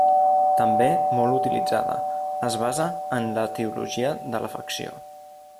També molt utilitzada, es basa en l'etiologia de l'afecció.